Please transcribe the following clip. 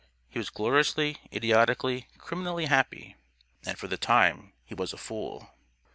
He was gloriously, idiotically, criminally happy. And, for the time, he was a fool.